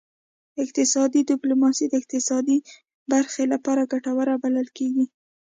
اقتصادي ډیپلوماسي د اقتصاد برخې لپاره ګټوره بلل کیږي